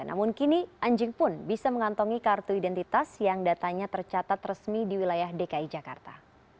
namun kini anjing pun bisa mengantongi kartu identitas yang datanya tercatat resmi di wilayah dki jakarta